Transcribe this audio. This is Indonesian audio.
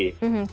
hmm gitu ya